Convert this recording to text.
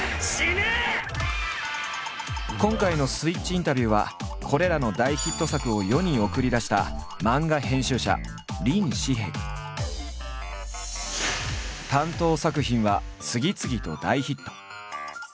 今回の「スイッチインタビュー」はこれらの大ヒット作を世に送り出した担当作品は次々と大ヒット。